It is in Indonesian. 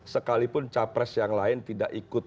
sekalipun capres yang lain tidak ikut